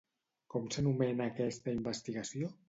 Com s'anomena aquesta investigació?